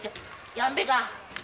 やんべか。